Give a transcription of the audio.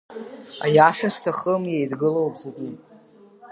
Аиаша зҭахым еидгылоуп зегьы.